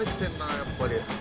やっぱり。